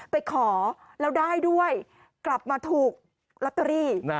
ไปขอแล้วได้ด้วยกลับมาถูกลอตเตอรี่